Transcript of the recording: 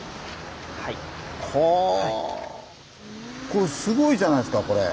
これすごいじゃないですかこれ。